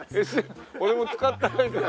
俺も使ってないから。